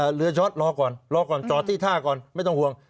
เหลือช็อตรอก่อนรอก่อนจอดที่ท่าก่อนไม่ต้องห่วง